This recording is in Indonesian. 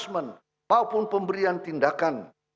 maupun pemberian tindakan